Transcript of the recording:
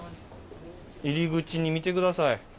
入り口に見てください。